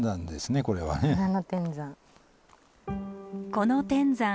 この天山